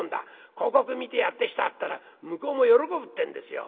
広告見てやって来たったら向こうも喜ぶってんですよ。